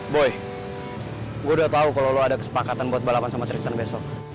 boy gue udah tau kalau lo ada kesepakatan buat balapan sama tristan besok